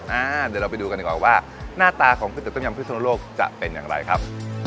เดี๋ยวเราไปดูกันดีกว่าว่าหน้าตาของก๋วเตีต้มยำพิศนุโลกจะเป็นอย่างไรครับ